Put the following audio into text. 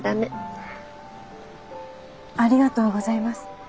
ありがとうございます。